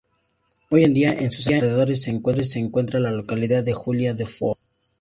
Hoy en día en sus alrededores se encuentra la localidad de Julia Dufour.